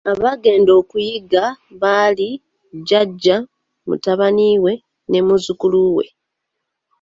Abaagenda okuyigga baali, jjajja, mutabani we ne muzzukulu we.